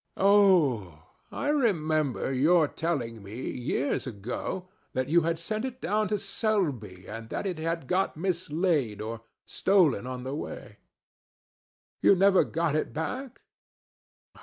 Oh! I remember your telling me years ago that you had sent it down to Selby, and that it had got mislaid or stolen on the way. You never got it back?